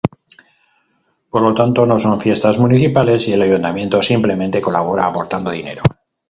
Por lo tanto no son fiestas municipales y el Ayuntamiento simplemente colabora aportando dinero.